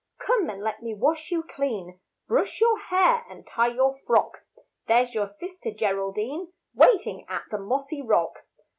Come, and let me wash you clean, Brush your hair and tie your frock; There's your sister Geraldine, Waiting at the mossy rock.